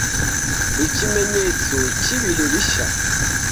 ikimenyetso cy'ibihe bishya